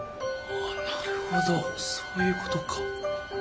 あっなるほどそういうことか。